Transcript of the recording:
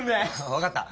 わかった。